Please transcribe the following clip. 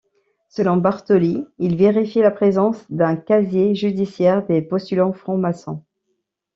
Selon Bartoli, il vérifiait la présence d’un casier judiciaire des postulants francs-maçons.